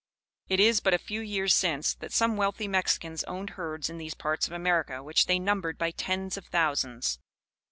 It is but a few years since, that some wealthy Mexicans owned herds in these parts of America which they numbered by tens of thousands.